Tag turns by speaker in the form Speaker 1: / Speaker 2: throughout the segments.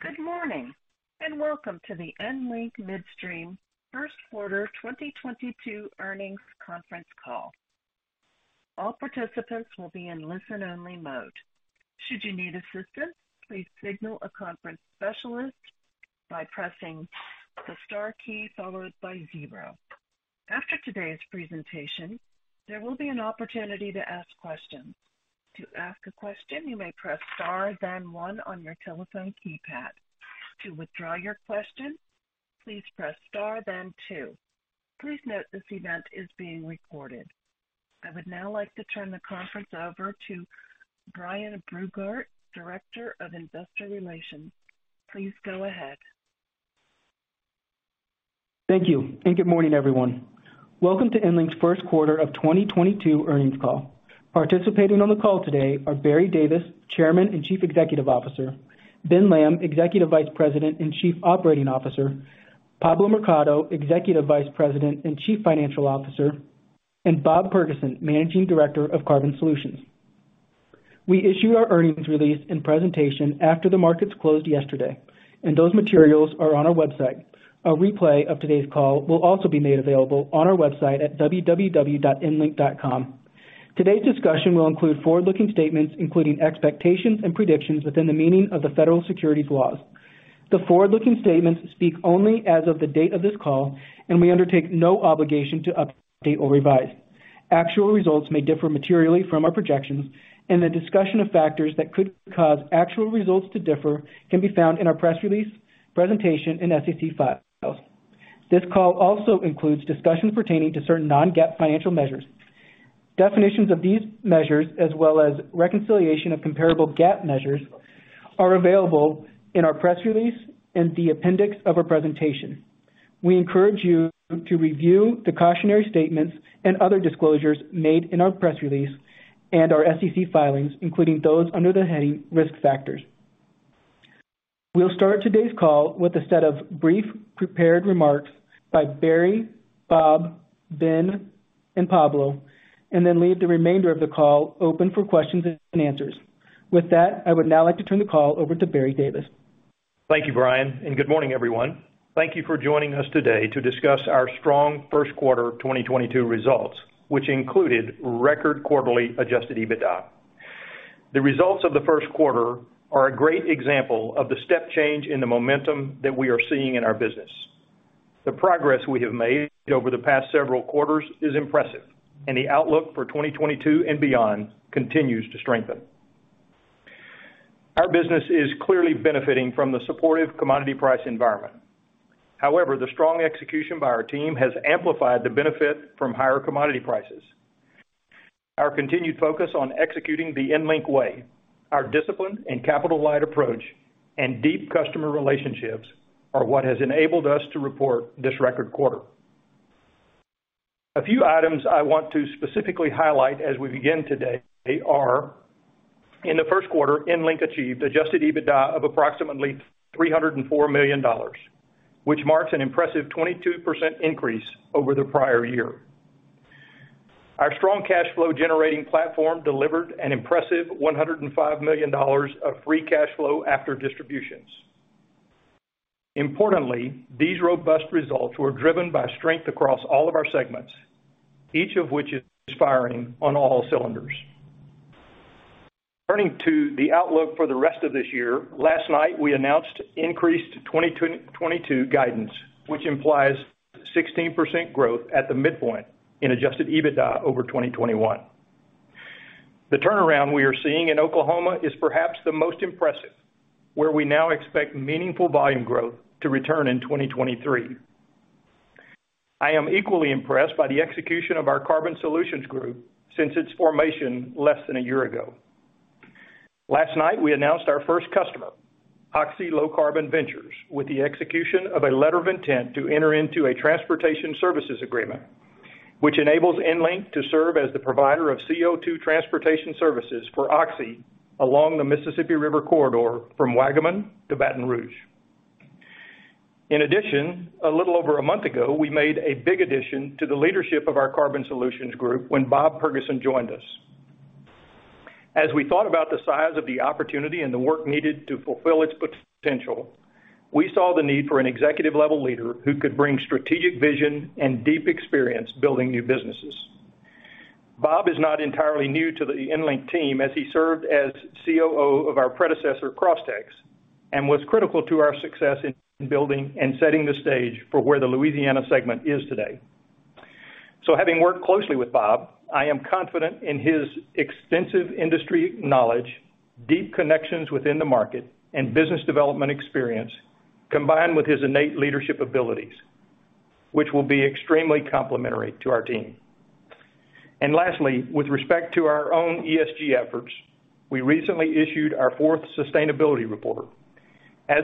Speaker 1: Good morning, and welcome to the EnLink Midstream first quarter 2022 earnings conference call. All participants will be in listen-only mode. Should you need assistance, please signal a conference specialist by pressing the star key followed by zero. After today's presentation, there will be an opportunity to ask questions. To ask a question, you may press star then one on your telephone keypad. To withdraw your question, please press star then two. Please note this event is being recorded. I would now like to turn the conference over to Brian Brungardt, Director of Investor Relations. Please go ahead.
Speaker 2: Thank you, and good morning, everyone. Welcome to EnLink's first quarter of 2022 earnings call. Participating on the call today are Barry Davis, Chairman and Chief Executive Officer; Ben Lamb, Executive Vice President and Chief Operating Officer; Pablo Mercado, Executive Vice President and Chief Financial Officer; and Bob Purgason, Managing Director of Carbon Solutions. We issued our earnings release and presentation after the markets closed yesterday, and those materials are on our website. A replay of today's call will also be made available on our website at www.enlink.com. Today's discussion will include forward-looking statements, including expectations and predictions within the meaning of the federal securities laws. The forward-looking statements speak only as of the date of this call, and we undertake no obligation to update or revise. Actual results may differ materially from our projections, and the discussion of factors that could cause actual results to differ can be found in our press release, presentation, and SEC filings. This call also includes discussions pertaining to certain non-GAAP financial measures. Definitions of these measures, as well as reconciliation of comparable GAAP measures, are available in our press release and the appendix of our presentation. We encourage you to review the cautionary statements and other disclosures made in our press release and our SEC filings, including those under the heading Risk Factors. We'll start today's call with a set of brief prepared remarks by Barry, Bob, Ben, and Pablo, and then leave the remainder of the call open for questions and answers. With that, I would now like to turn the call over to Barry Davis.
Speaker 3: Thank you, Brian, and good morning, everyone. Thank you for joining us today to discuss our strong first quarter of 2022 results, which included record quarterly adjusted EBITDA. The results of the first quarter are a great example of the step change in the momentum that we are seeing in our business. The progress we have made over the past several quarters is impressive, and the outlook for 2022 and beyond continues to strengthen. Our business is clearly benefiting from the supportive commodity price environment. However, the strong execution by our team has amplified the benefit from higher commodity prices. Our continued focus on executing the EnLink Way, our discipline and capital-light approach, and deep customer relationships are what has enabled us to report this record quarter. A few items I want to specifically highlight as we begin today are, in the first quarter, EnLink achieved adjusted EBITDA of approximately $304 million, which marks an impressive 22% increase over the prior year. Our strong cash flow-generating platform delivered an impressive $105 million of free cash flow after distributions. Importantly, these robust results were driven by strength across all of our segments, each of which is firing on all cylinders. Turning to the outlook for the rest of this year, last night we announced increased 2022 guidance, which implies 16% growth at the midpoint in adjusted EBITDA over 2021. The turnaround we are seeing in Oklahoma is perhaps the most impressive, where we now expect meaningful volume growth to return in 2023. I am equally impressed by the execution of our Carbon Solutions Group since its formation less than a year ago. Last night, we announced our first customer, Oxy Low Carbon Ventures, with the execution of a Letter of Intent to enter into a transportation services agreement, which enables EnLink to serve as the provider of CO₂ transportation services for Oxy along the Mississippi River Corridor from Waggaman to Baton Rouge. In addition, a little over a month ago, we made a big addition to the leadership of our Carbon Solutions Group when Bob Purgason joined us. As we thought about the size of the opportunity and the work needed to fulfill its potential, we saw the need for an executive-level leader who could bring strategic vision and deep experience building new businesses. Bob is not entirely new to the EnLink team, as he served as COO of our predecessor, Crosstex, and was critical to our success in building and setting the stage for where the Louisiana segment is today. Having worked closely with Bob, I am confident in his extensive industry knowledge, deep connections within the market, and business development experience, combined with his innate leadership abilities, which will be extremely complementary to our team. Lastly, with respect to our own ESG efforts, we recently issued our fourth sustainability report.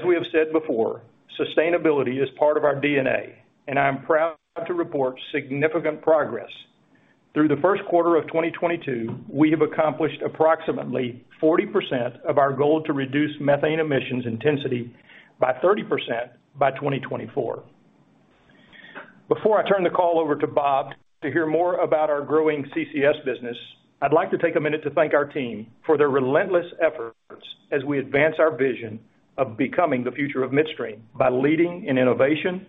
Speaker 3: We have said before, sustainability is part of our DNA, and I am proud to report significant progress. Through the first quarter of 2022, we have accomplished approximately 40% of our goal to reduce methane emissions intensity by 30% by 2024. Before I turn the call over to Bob to hear more about our growing CCS business, I'd like to take a minute to thank our team for their relentless efforts as we advance our vision of becoming the future of midstream by leading in innovation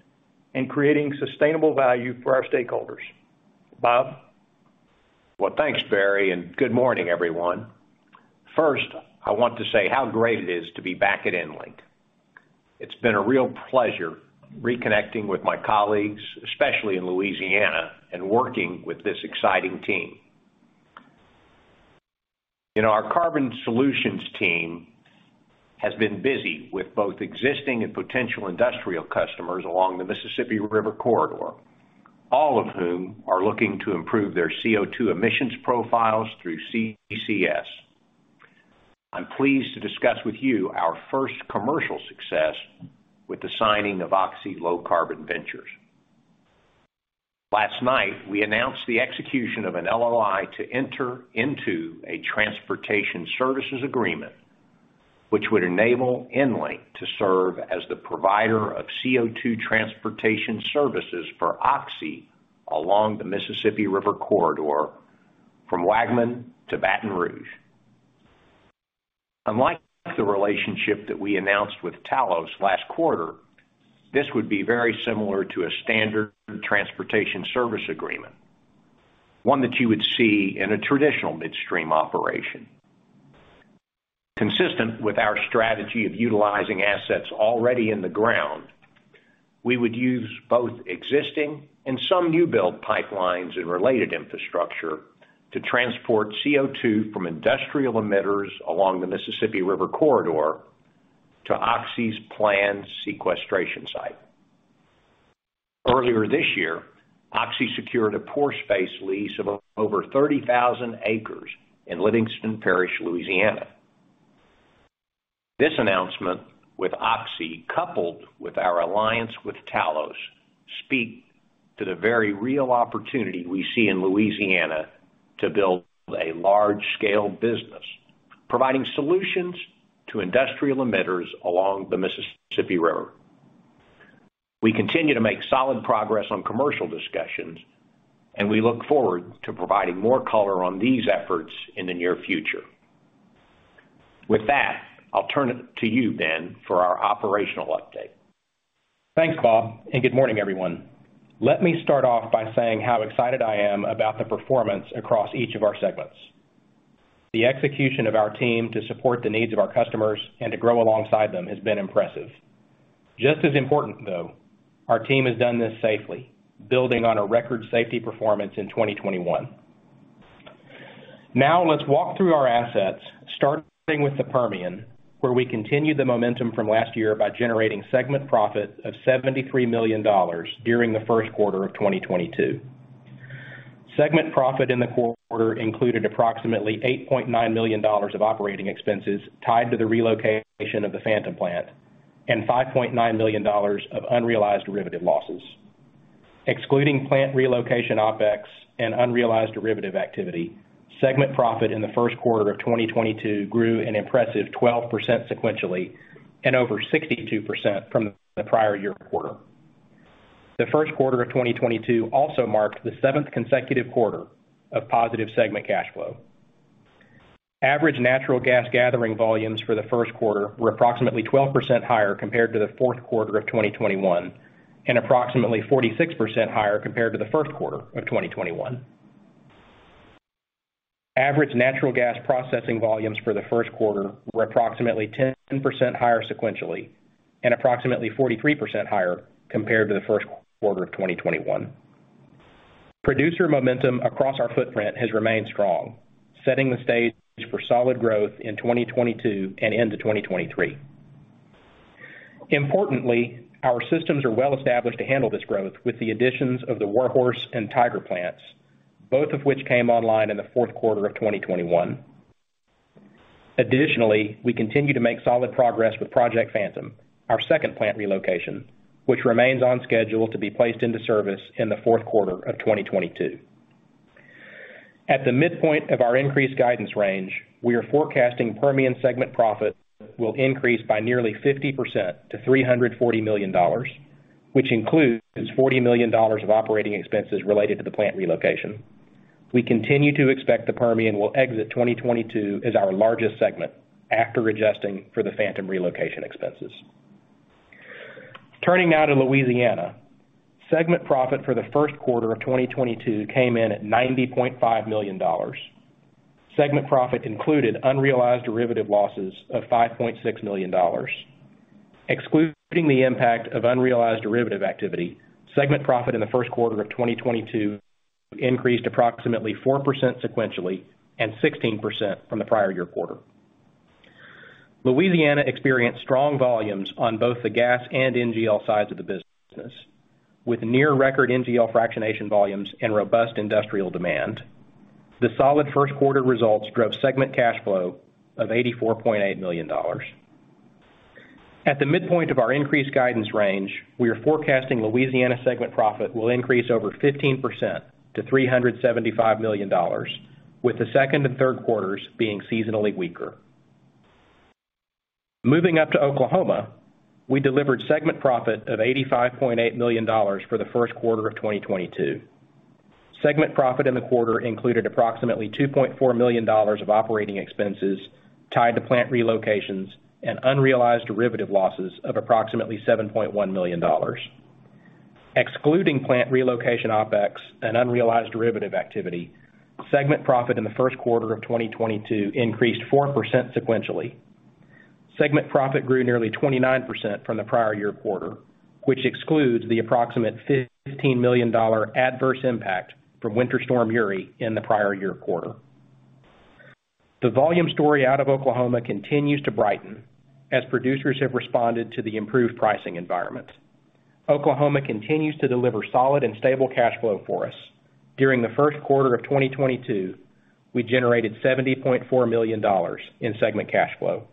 Speaker 3: and creating sustainable value for our stakeholders. Bob?
Speaker 4: Well, thanks, Barry, and good morning, everyone. First, I want to say how great it is to be back at EnLink. It's been a real pleasure reconnecting with my colleagues, especially in Louisiana, and working with this exciting team. You know, our Carbon Solutions team has been busy with both existing and potential industrial customers along the Mississippi River Corridor, all of whom are looking to improve their CO₂ emissions profiles through CCS. I'm pleased to discuss with you our first commercial success with the signing of Oxy Low Carbon Ventures. Last night, we announced the execution of an LOI to enter into a transportation services agreement, which would enable EnLink to serve as the provider of CO₂ transportation services for Oxy along the Mississippi River Corridor from Waggaman to Baton Rouge. Unlike the relationship that we announced with Talos last quarter, this would be very similar to a standard transportation service agreement, one that you would see in a traditional midstream operation. Consistent with our strategy of utilizing assets already in the ground, we would use both existing and some new build pipelines and related infrastructure to transport CO₂ from industrial emitters along the Mississippi River Corridor to Oxy's planned sequestration site. Earlier this year, Oxy secured a pore space lease of over 30,000 acres in Livingston Parish, Louisiana. This announcement with Oxy, coupled with our alliance with Talos, speak to the very real opportunity we see in Louisiana to build a large-scale business, providing solutions to industrial emitters along the Mississippi River. We continue to make solid progress on commercial discussions, and we look forward to providing more color on these efforts in the near future. With that, I'll turn it to you, Ben, for our operational update.
Speaker 5: Thanks, Bob, and good morning, everyone. Let me start off by saying how excited I am about the performance across each of our segments. The execution of our team to support the needs of our customers and to grow alongside them has been impressive. Just as important, though, our team has done this safely, building on a record safety performance in 2021. Now, let's walk through our assets, starting with the Permian, where we continued the momentum from last year by generating segment profit of $73 million during the first quarter of 2022. Segment profit in the quarter included approximately $8.9 million of operating expenses tied to the relocation of the Phantom plant and $5.9 million of unrealized derivative losses. Excluding plant relocation OpEx and unrealized derivative activity, segment profit in the first quarter of 2022 grew an impressive 12% sequentially and over 62% from the prior year quarter. The first quarter of 2022 also marked the 7th consecutive quarter of positive segment cash flow. Average natural gas gathering volumes for the first quarter were approximately 12% higher compared to the fourth quarter of 2021, and approximately 46% higher compared to the first quarter of 2021. Average natural gas processing volumes for the first quarter were approximately 10% higher sequentially and approximately 43% higher compared to the first quarter of 2021. Producer momentum across our footprint has remained strong, setting the stage for solid growth in 2022 and into 2023. Importantly, our systems are well established to handle this growth with the additions of the War Horse and Tiger plants, both of which came online in the fourth quarter of 2021. Additionally, we continue to make solid progress with Project Phantom, our second plant relocation, which remains on schedule to be placed into service in the fourth quarter of 2022. At the midpoint of our increased guidance range, we are forecasting Permian segment profit will increase by nearly 50% to $340 million, which includes $40 million of operating expenses related to the plant relocation. We continue to expect the Permian will exit 2022 as our largest segment after adjusting for the Phantom relocation expenses. Turning now to Louisiana. Segment profit for the first quarter of 2022 came in at $90.5 million. Segment profit included unrealized derivative losses of $5.6 million. Excluding the impact of unrealized derivative activity, segment profit in the first quarter of 2022 increased approximately 4% sequentially and 16% from the prior year quarter. Louisiana experienced strong volumes on both the gas and NGL sides of the business. With near record NGL fractionation volumes and robust industrial demand, the solid first quarter results drove segment cash flow of $84.8 million. At the midpoint of our increased guidance range, we are forecasting Louisiana segment profit will increase over 15% to $375 million, with the second and third quarters being seasonally weaker. Moving up to Oklahoma, we delivered segment profit of $85.8 million for the first quarter of 2022. Segment profit in the quarter included approximately $2.4 million of operating expenses tied to plant relocations and unrealized derivative losses of approximately $7.1 million. Excluding plant relocation OpEx and unrealized derivative activity, segment profit in the first quarter of 2022 increased 4% sequentially. Segment profit grew nearly 29% from the prior year quarter, which excludes the approximate $15 million adverse impact from Winter Storm Uri in the prior year quarter. The volume story out of Oklahoma continues to brighten as producers have responded to the improved pricing environment. Oklahoma continues to deliver solid and stable cash flow for us. During the first quarter of 2022, we generated $70.4 million in segment cash flow.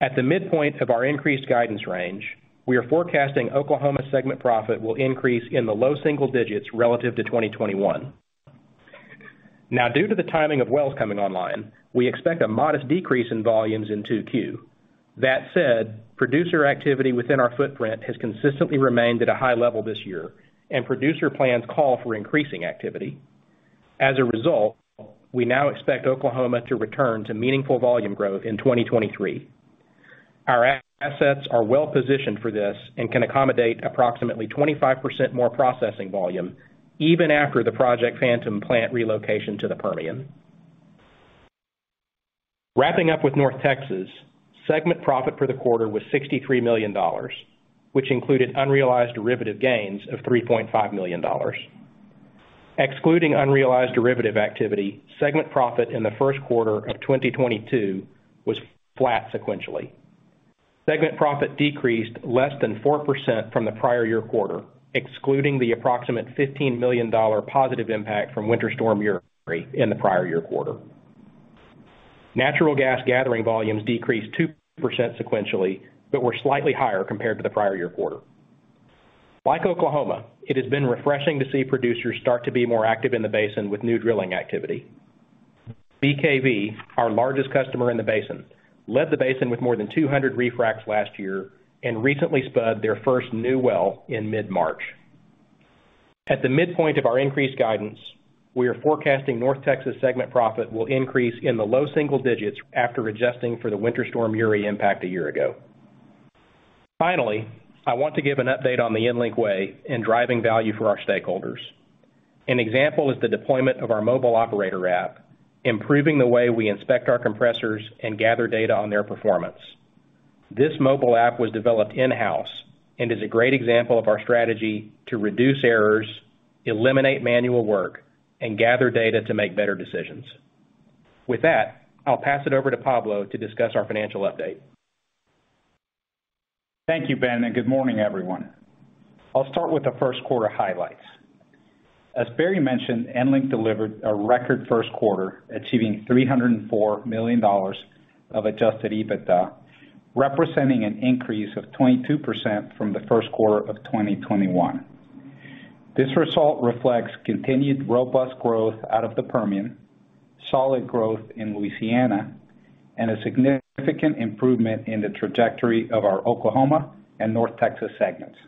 Speaker 5: At the midpoint of our increased guidance range, we are forecasting Oklahoma segment profit will increase in the low single digits relative to 2021. Now due to the timing of wells coming online, we expect a modest decrease in volumes in 2Q. That said, producer activity within our footprint has consistently remained at a high level this year, and producer plans call for increasing activity. As a result, we now expect Oklahoma to return to meaningful volume growth in 2023. Our assets are well-positioned for this and can accommodate approximately 25% more processing volume even after the Project Phantom plant relocation to the Permian. Wrapping up with North Texas, segment profit for the quarter was $63 million, which included unrealized derivative gains of $3.5 million. Excluding unrealized derivative activity, segment profit in the first quarter of 2022 was flat sequentially. Segment profit decreased less than 4% from the prior year quarter, excluding the approximate $15 million positive impact from Winter Storm Uri in the prior year quarter. Natural gas gathering volumes decreased 2% sequentially, but were slightly higher compared to the prior year quarter. Like Oklahoma, it has been refreshing to see producers start to be more active in the basin with new drilling activity. BKV, our largest customer in the basin, led the basin with more than 200 refracs last year and recently spud their first new well in mid-March. At the midpoint of our increased guidance, we are forecasting North Texas segment profit will increase in the low single digits after adjusting for the Winter Storm Uri impact a year ago. Finally, I want to give an update on the EnLink Way in driving value for our stakeholders. An example is the deployment of our mobile operator app, improving the way we inspect our compressors and gather data on their performance. This mobile app was developed in-house and is a great example of our strategy to reduce errors, eliminate manual work, and gather data to make better decisions. With that, I'll pass it over to Pablo to discuss our financial update.
Speaker 6: Thank you, Ben, and good morning, everyone. I'll start with the first quarter highlights. As Barry mentioned, EnLink delivered a record first quarter, achieving $304 million of adjusted EBITDA, representing an increase of 22% from the first quarter of 2021. This result reflects continued robust growth out of the Permian, solid growth in Louisiana, and a significant improvement in the trajectory of our Oklahoma and North Texas segments.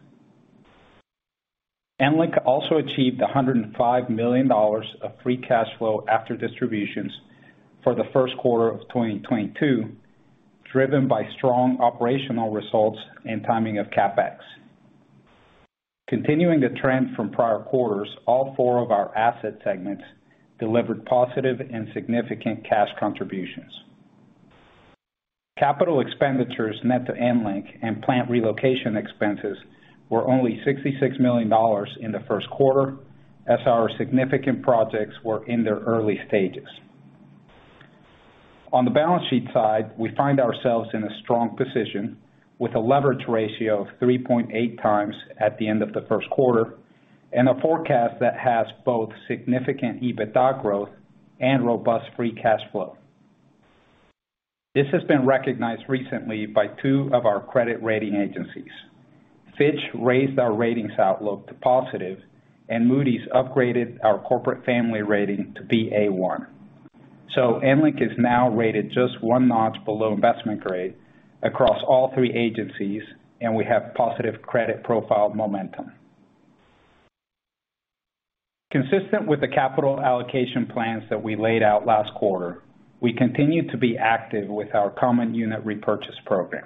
Speaker 6: EnLink also achieved $105 million of free cash flow after distributions for the first quarter of 2022, driven by strong operational results and timing of CapEx. Continuing the trend from prior quarters, all four of our asset segments delivered positive and significant cash contributions. Capital expenditures net to EnLink and plant relocation expenses were only $66 million in the first quarter, as our significant projects were in their early stages. On the balance sheet side, we find ourselves in a strong position with a leverage ratio of 3.8x at the end of the first quarter and a forecast that has both significant EBITDA growth and robust free cash flow. This has been recognized recently by two of our credit rating agencies. Fitch raised our ratings outlook to positive, and Moody's upgraded our corporate family rating to Ba1. EnLink is now rated just one notch below investment grade across all three agencies, and we have positive credit profile momentum. Consistent with the capital allocation plans that we laid out last quarter, we continue to be active with our common unit repurchase program.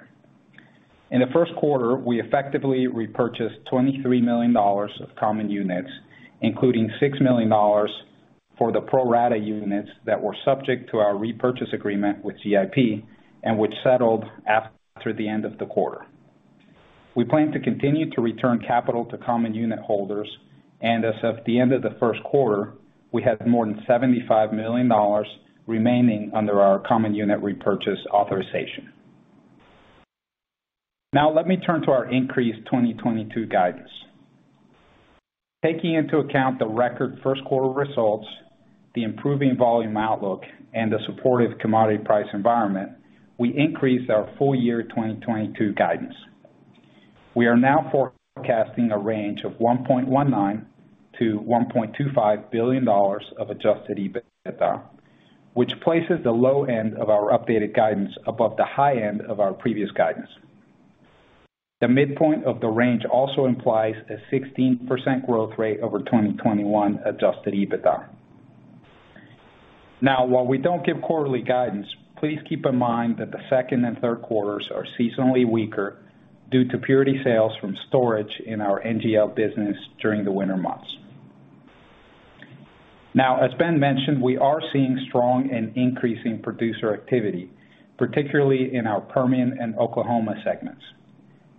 Speaker 6: In the first quarter, we effectively repurchased $23 million of common units, including $6 million for the pro rata units that were subject to our repurchase agreement with GIP and which settled after the end of the quarter. We plan to continue to return capital to common unitholders, and as of the end of the first quarter, we had more than $75 million remaining under our common unit repurchase authorization. Now let me turn to our increased 2022 guidance. Taking into account the record first quarter results, the improving volume outlook, and the supportive commodity price environment, we increased our full year 2022 guidance. We are now forecasting a range of $1.19 billion-$1.25 billion of adjusted EBITDA, which places the low end of our updated guidance above the high end of our previous guidance. The midpoint of the range also implies a 16% growth rate over 2021 adjusted EBITDA. Now, while we don't give quarterly guidance, please keep in mind that the second and third quarters are seasonally weaker due to purity sales from storage in our NGL business during the winter months. Now, as Ben mentioned, we are seeing strong and increasing producer activity, particularly in our Permian and Oklahoma segments.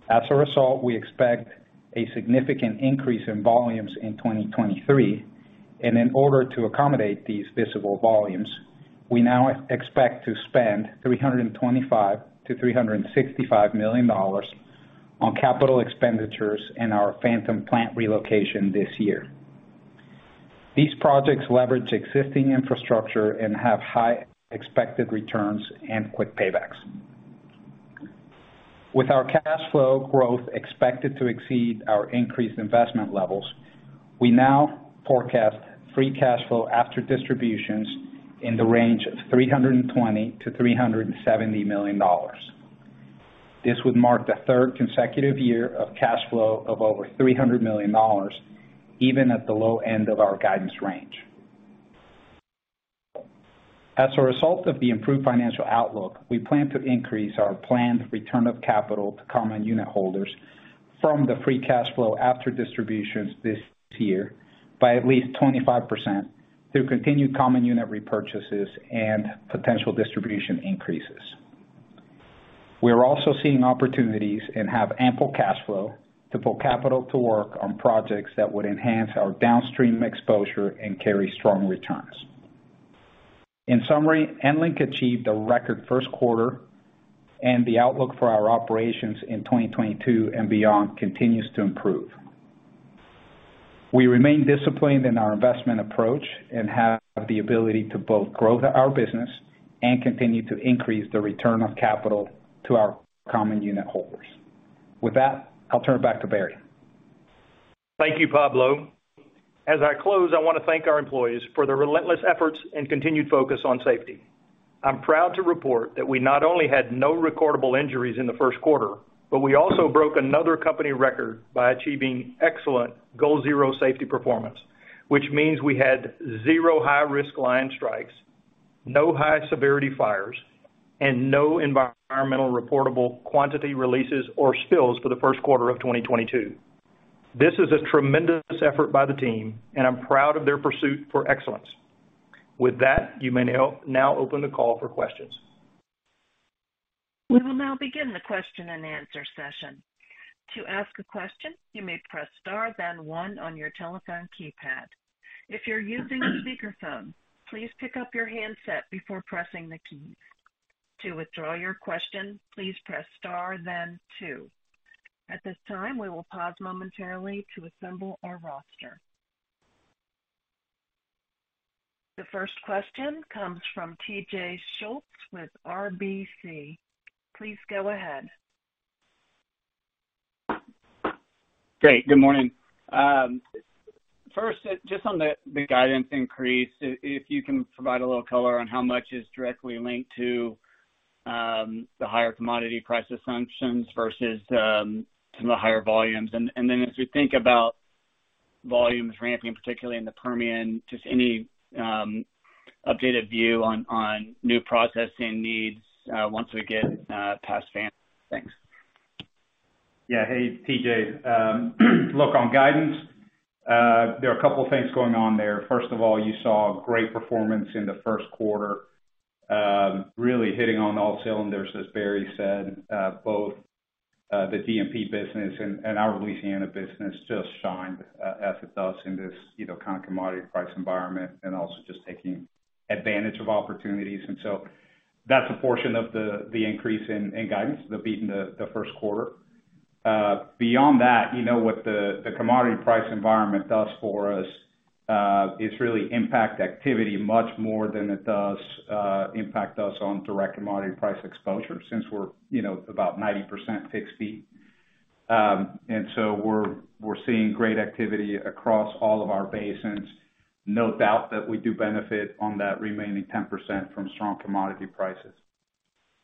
Speaker 6: As a result, we expect a significant increase in volumes in 2023, and in order to accommodate these visible volumes, we now expect to spend $325 million-$365 million on capital expenditures in our Phantom plant relocation this year. These projects leverage existing infrastructure and have high expected returns and quick paybacks. With our cash flow growth expected to exceed our increased investment levels, we now forecast free cash flow after distributions in the range of $320 million-$370 million. This would mark the third consecutive year of cash flow of over $300 million, even at the low end of our guidance range. As a result of the improved financial outlook, we plan to increase our planned return of capital to common unitholders from the free cash flow after distributions this year by at least 25% through continued common unit repurchases and potential distribution increases. We are also seeing opportunities and have ample cash flow to put capital to work on projects that would enhance our downstream exposure and carry strong returns. In summary, EnLink achieved a record first quarter and the outlook for our operations in 2022 and beyond continues to improve. We remain disciplined in our investment approach and have the ability to both grow our business and continue to increase the return of capital to our common unitholders. With that, I'll turn it back to Barry.
Speaker 3: Thank you, Pablo. As I close, I want to thank our employees for their relentless efforts and continued focus on safety. I'm proud to report that we not only had no recordable injuries in the first quarter, but we also broke another company record by achieving excellent GoalZERO safety performance, which means we had zero high-risk line strikes, no high-severity fires, and no environmental reportable quantity releases or spills for the first quarter of 2022. This is a tremendous effort by the team, and I'm proud of their pursuit for excellence. With that, you may now open the call for questions.
Speaker 1: We will now begin the question and answer session. To ask a question, you may press star, then one on your telephone keypad. If you're using a speakerphone, please pick up your handset before pressing the keys. To withdraw your question, please press star then two. At this time, we will pause momentarily to assemble our roster. The first question comes from TJ Schultz with RBC. Please go ahead.
Speaker 7: Great. Good morning. First, just on the guidance increase, if you can provide a little color on how much is directly linked to the higher commodity price assumptions versus some of the higher volumes. As we think about volumes ramping, particularly in the Permian, just any updated view on new processing needs once we get past Phantom. Thanks.
Speaker 6: Yeah. Hey, TJ. Look on guidance, there are a couple of things going on there. First of all, you saw great performance in the first quarter, really hitting on all cylinders, as Barry said. Both the G&P business and our Louisiana business just shined, as it does in this, you know, kind of commodity price environment and also just taking advantage of opportunities. That's a portion of the increase in guidance, the beat in the first quarter. Beyond that, you know, what the commodity price environment does for us is really impact activity much more than it does impact us on direct commodity price exposure since we're, you know, about 90% fixed fee. We're seeing great activity across all of our basins. No doubt that we do benefit on that remaining 10% from strong commodity prices.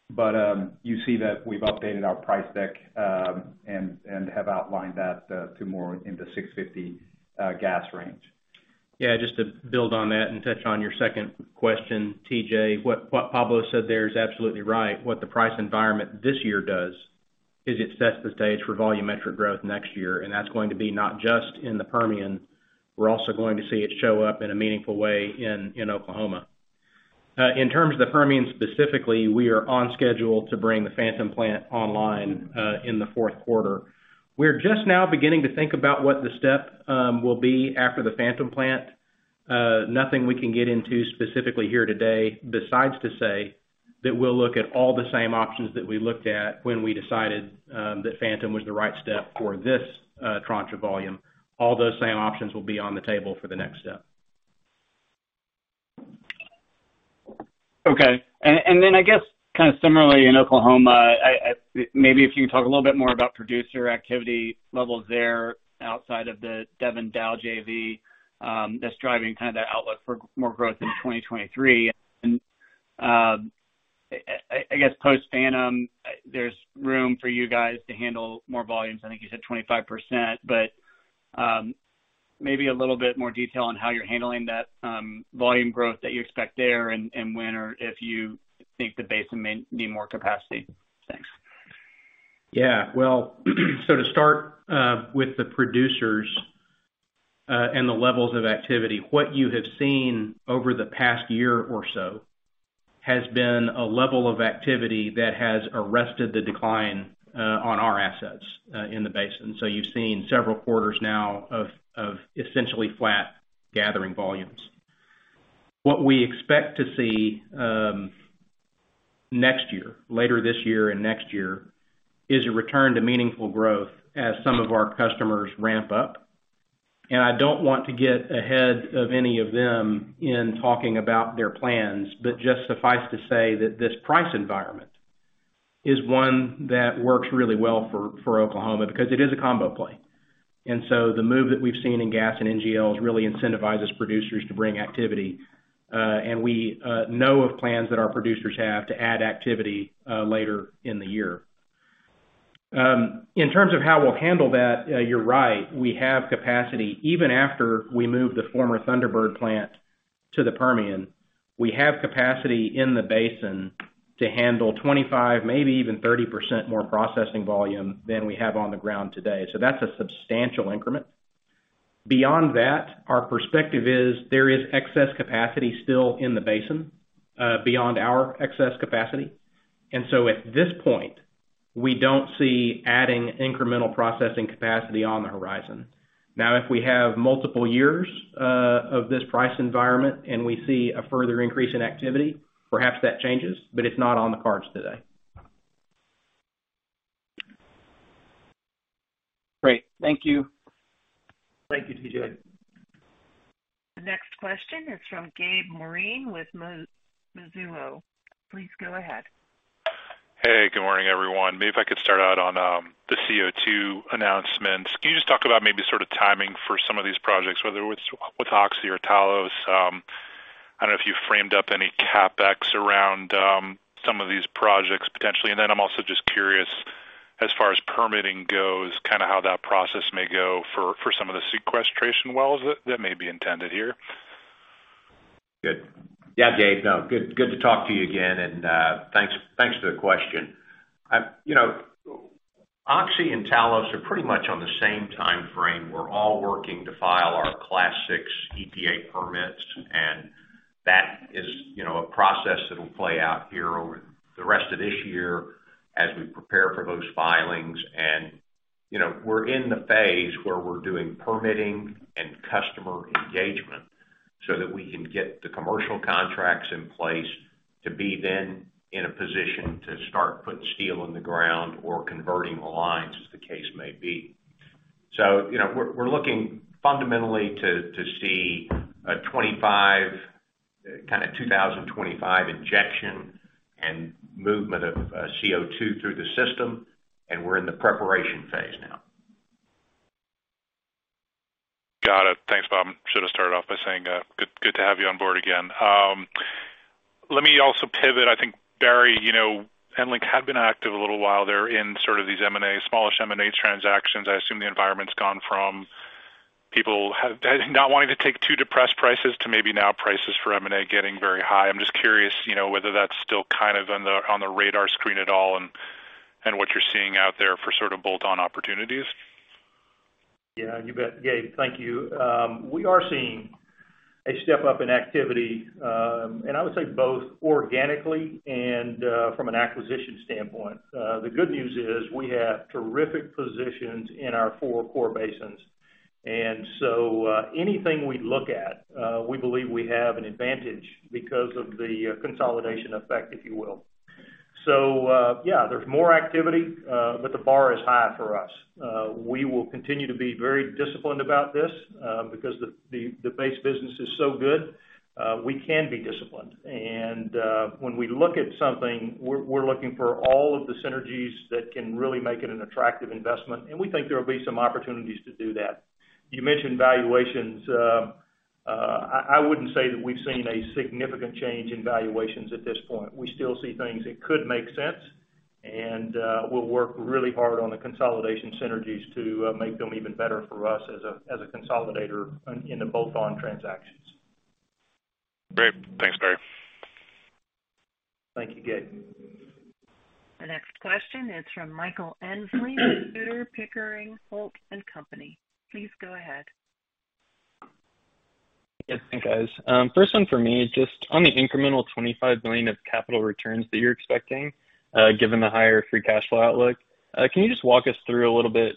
Speaker 6: You see that we've updated our price deck, and have outlined that to more in the $6.50 gas range.
Speaker 5: Yeah, just to build on that and touch on your second question, TJ. What Pablo said there is absolutely right. What the price environment this year does is it sets the stage for volumetric growth next year. That's going to be not just in the Permian, we're also going to see it show up in a meaningful way in Oklahoma. In terms of the Permian specifically, we are on schedule to bring the Phantom plant online in the fourth quarter. We're just now beginning to think about what the step will be after the Phantom plant. Nothing we can get into specifically here today besides to say that we'll look at all the same options that we looked at when we decided that Phantom was the right step for this tranche of volume. All those same options will be on the table for the next step.
Speaker 7: Okay. Then I guess kind of similarly in Oklahoma, maybe if you can talk a little bit more about producer activity levels there outside of the Devon-Dow JV, that's driving kind of that outlook for more growth in 2023. I guess post-Phantom, there's room for you guys to handle more volumes. I think you said 25%. Maybe a little bit more detail on how you're handling that volume growth that you expect there and when or if you think the basin may need more capacity. Thanks.
Speaker 5: Yeah. Well, to start with the producers and the levels of activity, what you have seen over the past year or so has been a level of activity that has arrested the decline on our assets in the basin. You've seen several quarters now of essentially flat gathering volumes. What we expect to see, next year, later this year and next year, is a return to meaningful growth as some of our customers ramp up. I don't want to get ahead of any of them in talking about their plans, but just suffice to say that this price environment is one that works really well for Oklahoma because it is a combo play. The move that we've seen in gas and NGLs really incentivizes producers to bring activity. We know of plans that our producers have to add activity later in the year. In terms of how we'll handle that, you're right, we have capacity. Even after we move the former Thunderbird plant to the Permian, we have capacity in the basin to handle 25%, maybe even 30% more processing volume than we have on the ground today. So that's a substantial increment. Beyond that, our perspective is there is excess capacity still in the basin, beyond our excess capacity. At this point, we don't see adding incremental processing capacity on the horizon. Now, if we have multiple years of this price environment and we see a further increase in activity, perhaps that changes, but it's not on the cards today.
Speaker 7: Great. Thank you.
Speaker 5: Thank you, TJ.
Speaker 1: The next question is from Gabe Moreen with Mizuho. Please go ahead.
Speaker 8: Hey, good morning, everyone. Maybe if I could start out on the CO₂ announcements. Can you just talk about maybe sort of timing for some of these projects, whether with Oxy or Talos? I don't know if you framed up any CapEx around some of these projects potentially. I'm also just curious, as far as permitting goes, kind of how that process may go for some of the sequestration wells that may be intended here.
Speaker 4: Good. Yeah, Gabe. Good to talk to you again, and thanks for the question. You know, Oxy and Talos are pretty much on the same timeframe. We're all working to file our Class VI EPA permits, and that is, you know, a process that'll play out here over the rest of this year as we prepare for those filings. You know, we're in the phase where we're doing permitting and customer engagement so that we can get the commercial contracts in place to be then in a position to start putting steel in the ground or converting the lines as the case may be. You know, we're looking fundamentally to see a 2025 injection and movement of CO₂ through the system, and we're in the preparation phase now.
Speaker 8: Got it. Thanks, Bob. Should have started off by saying good to have you on board again. Let me also pivot. I think, Barry, you know, EnLink had been active a little while. They're in sort of these M&A, smallish M&A transactions. I assume the environment's gone from people not wanting to take too depressed prices to maybe now prices for M&A getting very high. I'm just curious, you know, whether that's still kind of on the radar screen at all and what you're seeing out there for sort of bolt-on opportunities.
Speaker 3: Yeah, you bet. Gabe, thank you. We are seeing a step up in activity, and I would say both organically and from an acquisition standpoint. The good news is we have terrific positions in our four core basins. Anything we look at, we believe we have an advantage because of the consolidation effect, if you will. Yeah, there's more activity, but the bar is high for us. We will continue to be very disciplined about this, because the base business is so good, we can be disciplined. When we look at something, we're looking for all of the synergies that can really make it an attractive investment, and we think there will be some opportunities to do that. You mentioned valuations. I wouldn't say that we've seen a significant change in valuations at this point. We still see things that could make sense, and we'll work really hard on the consolidation synergies to make them even better for us as a consolidator in the bolt-on transactions.
Speaker 8: Great. Thanks, Barry.
Speaker 3: Thank you, Gabe.
Speaker 1: The next question is from Michael Endsley, Tudor, Pickering, Holt & Company. Please go ahead.
Speaker 9: Yeah. Thanks, guys. First one for me, just on the incremental $25 billion of capital returns that you're expecting, given the higher free cash flow outlook. Can you just walk us through a little bit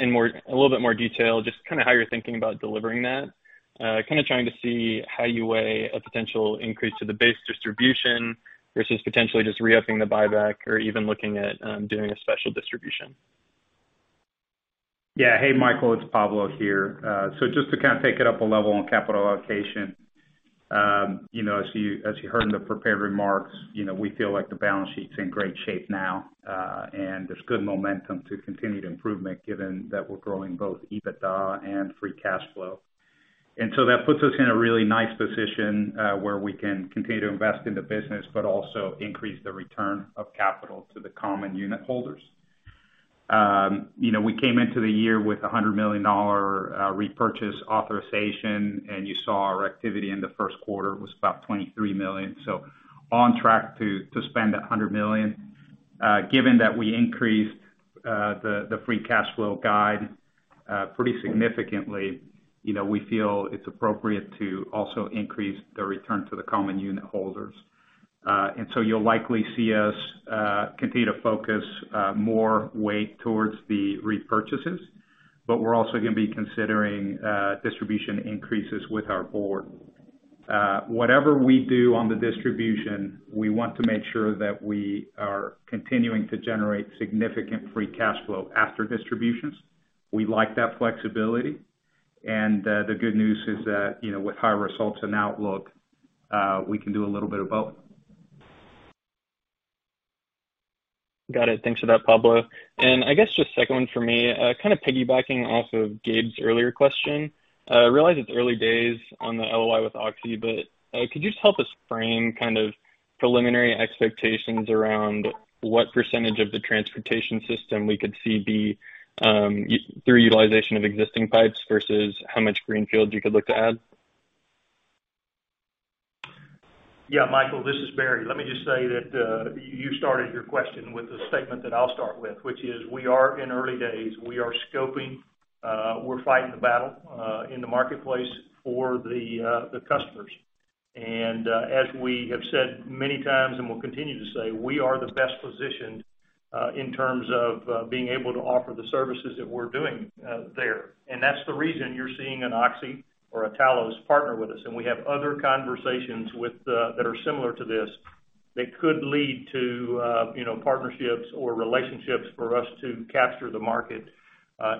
Speaker 9: more detail, just kind of how you're thinking about delivering that? Kind of trying to see how you weigh a potential increase to the base distribution versus potentially just re-upping the buyback or even looking at doing a special distribution.
Speaker 6: Yeah. Hey, Michael. It's Pablo here. So just to kind of take it up a level on capital allocation. You know, as you heard in the prepared remarks, you know, we feel like the balance sheet's in great shape now, and there's good momentum to continue the improvement given that we're growing both EBITDA and free cash flow. That puts us in a really nice position, where we can continue to invest in the business but also increase the return of capital to the common unitholders. You know, we came into the year with a $100 million repurchase authorization, and you saw our activity in the first quarter was about $23 million. So on track to spend that $100 million. Given that we increased the free cash flow guide pretty significantly, you know, we feel it's appropriate to also increase the return to the common unitholders. You'll likely see us continue to focus more weight towards the repurchases, but we're also gonna be considering distribution increases with our Board. Whatever we do on the distribution, we want to make sure that we are continuing to generate significant free cash flow after distributions. We like that flexibility. The good news is that, you know, with high results and outlook, we can do a little bit of both.
Speaker 9: Got it. Thanks for that, Pablo. I guess just second one for me, kind of piggybacking off of Gabe's earlier question. I realize it's early days on the LOI with Oxy, but could you just help us frame kind of preliminary expectations around what percentage of the transportation system we could see through utilization of existing pipes versus how much greenfield you could look to add?
Speaker 3: Yeah. Michael, this is Barry. Let me just say that, you started your question with a statement that I'll start with, which is we are in early days. We are scoping, we're fighting the battle in the marketplace for the customers. As we have said many times and will continue to say, we are the best positioned in terms of being able to offer the services that we're doing there. That's the reason you're seeing an Oxy or a Talos partner with us. We have other conversations with that are similar to this that could lead to you know, partnerships or relationships for us to capture the market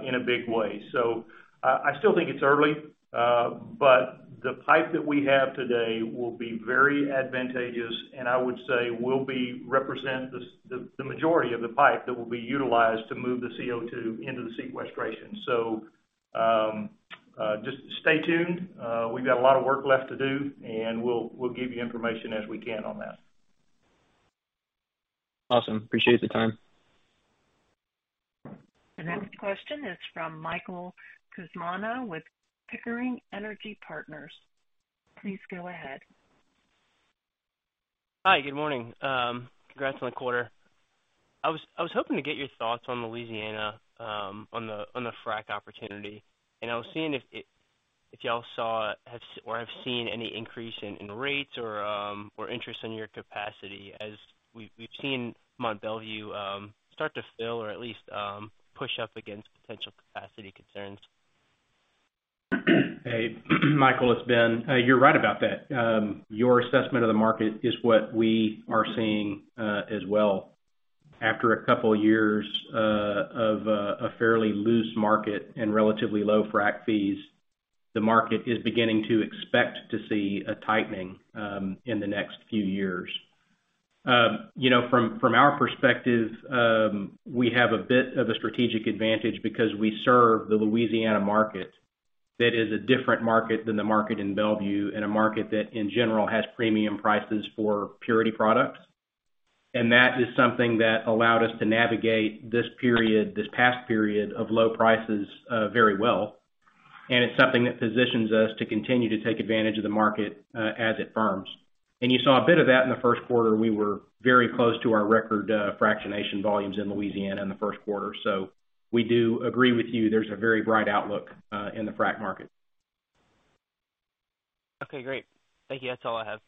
Speaker 3: in a big way. I still think it's early, but the pipe that we have today will be very advantageous, and I would say will represent the majority of the pipe that will be utilized to move the CO₂ into the sequestration. Just stay tuned. We've got a lot of work left to do, and we'll give you information as we can on that.
Speaker 9: Awesome. Appreciate the time.
Speaker 1: The next question is from Michael Cusimano with Pickering Energy Partners. Please go ahead.
Speaker 10: Hi, good morning. Congrats on the quarter. I was hoping to get your thoughts on Louisiana on the frac opportunity. I was seeing if y'all saw or have seen any increase in rates or interest in your capacity as we've seen Mont Belvieu start to fill or at least push up against potential capacity concerns.
Speaker 5: Hey, Michael, it's Ben. You're right about that. Your assessment of the market is what we are seeing as well. After a couple years of a fairly loose market and relatively low frac fees, the market is beginning to expect to see a tightening in the next few years. You know, from our perspective, we have a bit of a strategic advantage because we serve the Louisiana market that is a different market than the market in Belvieu, and a market that, in general, has premium prices for purity products. That is something that allowed us to navigate this period, this past period of low prices very well. It's something that positions us to continue to take advantage of the market as it firms. You saw a bit of that in the first quarter. We were very close to our record fractionation volumes in Louisiana in the first quarter. We do agree with you. There's a very bright outlook in the frac market.
Speaker 10: Okay, great. Thank you. That's all I have.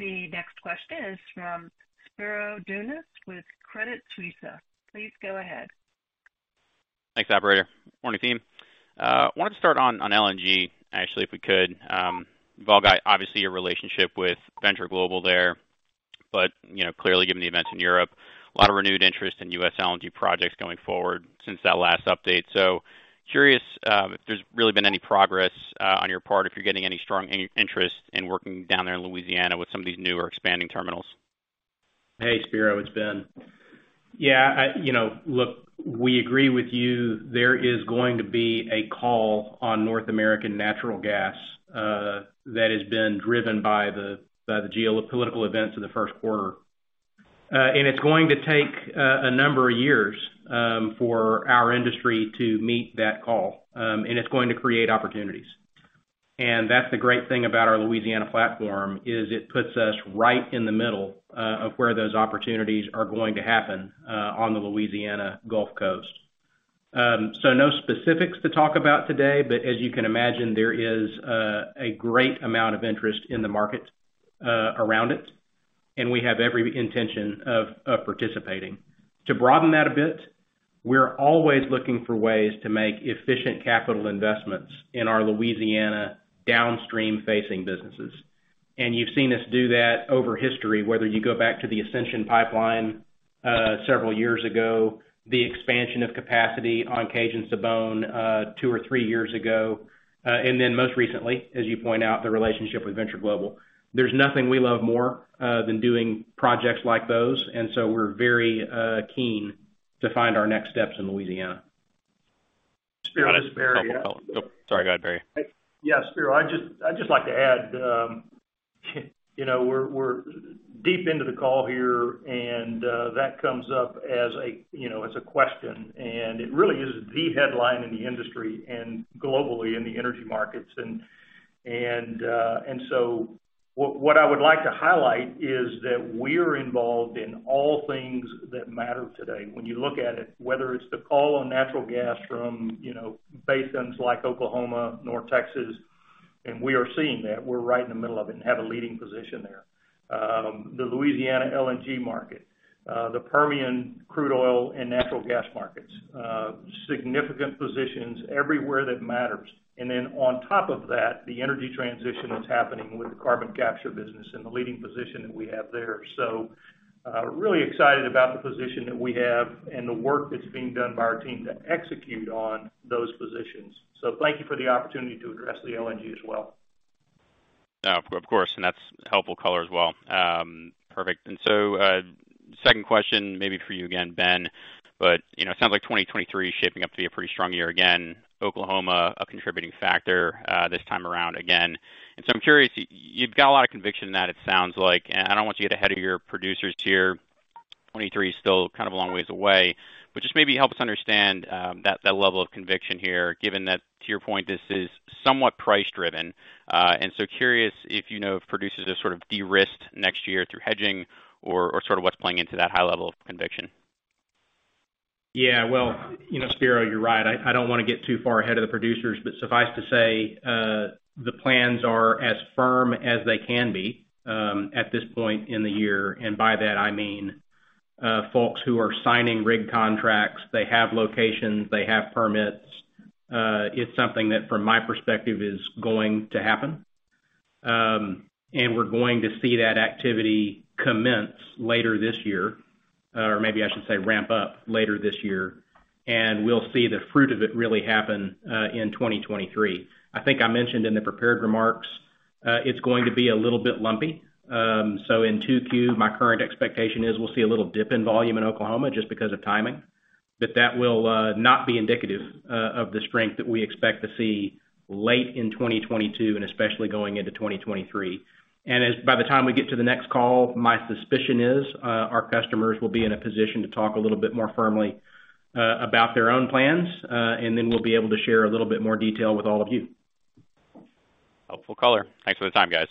Speaker 1: The next question is from Spiro Dounis with Credit Suisse. Please go ahead.
Speaker 11: Thanks, operator. Morning team. Wanted to start on LNG actually, if we could. You've all got obviously a relationship with Venture Global there, but, you know, clearly given the events in Europe. A lot of renewed interest in U.S. LNG projects going forward since that last update. Curious, if there's really been any progress on your part, if you're getting any strong interest in working down there in Louisiana with some of these newer expanding terminals?
Speaker 5: Hey, Spiro, it's Ben. Yeah, you know, look, we agree with you. There is going to be a call on North American natural gas that has been driven by the geopolitical events in the first quarter. It is going to take a number of years for our industry to meet that call. It is going to create opportunities. That's the great thing about our Louisiana platform, is it puts us right in the middle of where those opportunities are going to happen on the Louisiana Gulf Coast. No specifics to talk about today, but as you can imagine, there is a great amount of interest in the market around it, and we have every intention of participating. To broaden that a bit. We're always looking for ways to make efficient capital investments in our Louisiana downstream-facing businesses. You've seen us do that over history, whether you go back to the Ascension Pipeline, several years ago, the expansion of capacity on Cajun-Sibon, two or three years ago. Then most recently, as you point out, the relationship with Venture Global. There's nothing we love more than doing projects like those, and so we're very keen to find our next steps in Louisiana.
Speaker 3: Spiro, this is Barry, yeah.
Speaker 11: Oh, sorry, go ahead, Barry.
Speaker 3: Yeah, Spiro, I'd just like to add, you know, we're deep into the call here, and that comes up as, you know, as a question. It really is the headline in the industry and globally in the energy markets. So what I would like to highlight is that we're involved in all things that matter today. When you look at it, whether it's the call on natural gas from, you know, basins like Oklahoma, North Texas, and we are seeing that. We're right in the middle of it and have a leading position there. The Louisiana LNG market, the Permian crude oil and natural gas markets, significant positions everywhere that matters. Then on top of that, the energy transition that's happening with the carbon capture business and the leading position that we have there. Really excited about the position that we have and the work that's being done by our team to execute on those positions. Thank you for the opportunity to address the LNG as well.
Speaker 11: Of course, and that's helpful color as well. Perfect. Second question maybe for you again, Ben. You know, it sounds like 2023 is shaping up to be a pretty strong year again. Oklahoma, a contributing factor, this time around again. I'm curious. You've got a lot of conviction in that, it sounds like. I don't want you to get ahead of your producers here. 2023 is still kind of a long ways away. But just maybe help us understand that level of conviction here, given that to your point, this is somewhat price driven. Curious if you know if producers have sort of de-risked next year through hedging or sort of what's playing into that high level of conviction.
Speaker 5: Yeah. Well, you know, Spiro, you're right. I don't wanna get too far ahead of the producers, but suffice to say. The plans are as firm as they can be, at this point in the year. By that, I mean, folks who are signing written contracts. They have locations. They have permits. It's something that, from my perspective, is going to happen. We're going to see that activity commence later this year, or maybe I should say ramp up later this year, and we'll see the fruit of it really happen in 2023. I think I mentioned in the prepared remarks, it's going to be a little bit lumpy. In 2Q, my current expectation is we'll see a little dip in volume in Oklahoma just because of timing. That will not be indicative of the strength that we expect to see late in 2022 and especially going into 2023. By the time we get to the next call, my suspicion is, our customers will be in a position to talk a little bit more firmly about their own plans, and then we'll be able to share a little bit more detail with all of you.
Speaker 11: Helpful color. Thanks for the time, guys.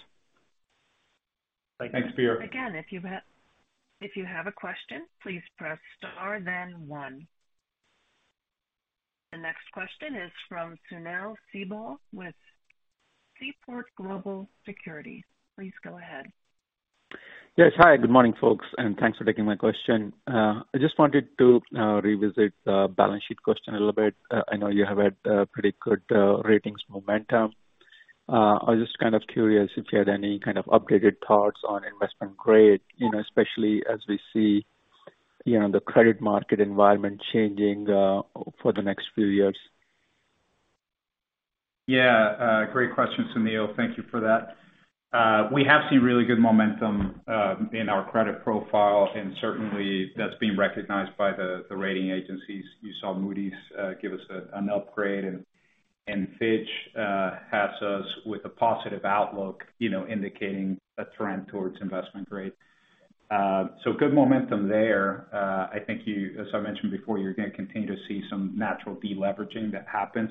Speaker 3: Thanks, Spiro.
Speaker 1: Again, if you have a question, please press star then one. The next question is from Sunil Sibal with Seaport Global Securities. Please go ahead.
Speaker 12: Yes. Hi, good morning, folks, and thanks for taking my question. I just wanted to revisit the balance sheet question a little bit. I know you have had pretty good ratings momentum. I was just kind of curious if you had any kind of updated thoughts on investment grade, you know, especially as we see, you know, the credit market environment changing for the next few years.
Speaker 6: Yeah, great question, Sunil. Thank you for that. We have seen really good momentum in our credit profile, and certainly that's being recognized by the rating agencies. You saw Moody's give us an upgrade, and Fitch has us with a positive outlook, you know, indicating a trend towards investment grade. Good momentum there. I think as I mentioned before, you're gonna continue to see some natural de-leveraging that happens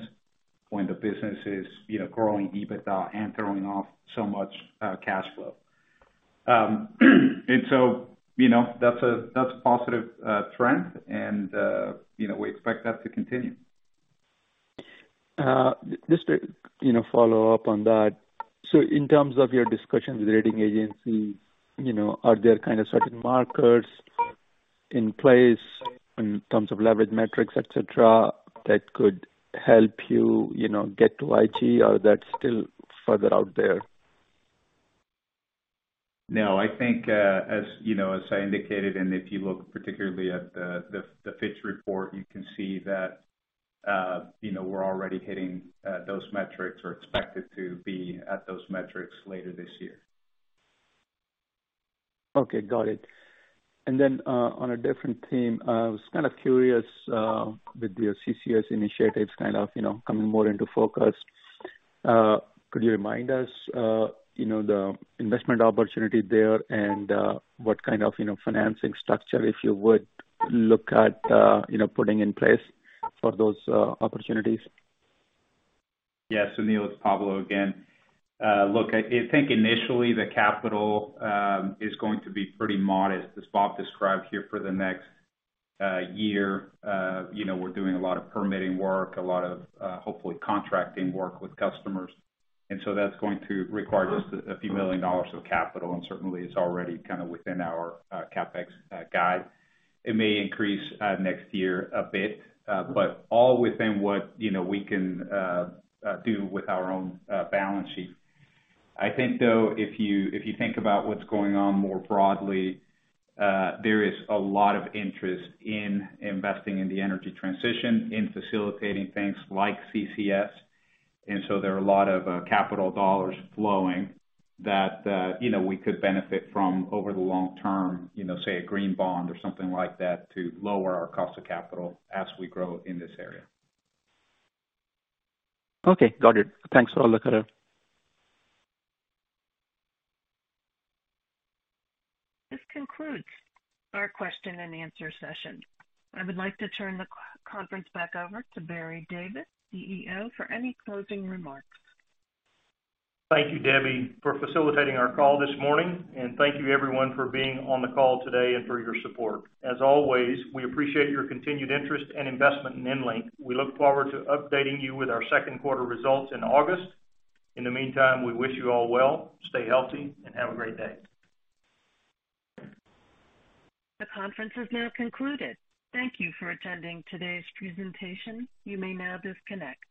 Speaker 6: when the business is, you know, growing EBITDA and throwing off so much cash flow. You know, that's a positive trend, and you know, we expect that to continue.
Speaker 12: Just to, you know, follow up on that. In terms of your discussions with rating agency, you know, are there kind of certain markers in place in terms of leverage metrics, et cetera, that could help you know, get to IG, or that's still further out there?
Speaker 6: No, I think, as you know, as I indicated, and if you look particularly at the Fitch report, you can see that, you know, we're already hitting those metrics or expected to be at those metrics later this year.
Speaker 12: Okay, got it. On a different theme, I was kind of curious with your CCS initiatives kind of, you know, coming more into focus, could you remind us, you know, the investment opportunity there and what kind of, you know, financing structure, if you would look at, you know, putting in place for those opportunities?
Speaker 6: Yeah. Sunil, it's Pablo again. Look, I think initially the capital is going to be pretty modest. As Bob described here, for the next year, you know, we're doing a lot of permitting work. A lot of hopefully contracting work with customers. That's going to require us a few million dollars of capital, and certainly it's already kind of within our CapEx guide. It may increase next year a bit, but all within what you know we can do with our own balance sheet. I think, though, if you think about what's going on more broadly, there is a lot of interest in investing in the energy transition, in facilitating things like CCS. There are a lot of capital dollars flowing that, you know, we could benefit from over the long term, you know, say a green bond or something like that, to lower our cost of capital as we grow in this area.
Speaker 12: Okay, got it. Thanks for all the color.
Speaker 1: This concludes our question and answer session. I would like to turn the conference back over to Barry Davis, CEO, for any closing remarks.
Speaker 3: Thank you, Debbie, for facilitating our call this morning. Thank you everyone for being on the call today and for your support. As always, we appreciate your continued interest and investment in EnLink. We look forward to updating you with our second quarter results in August. In the meantime, we wish you all well, stay healthy, and have a great day.
Speaker 1: The conference is now concluded. Thank you for attending today's presentation. You may now disconnect.